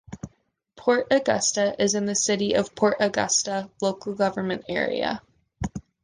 Port Augusta is in the City of Port Augusta local government area.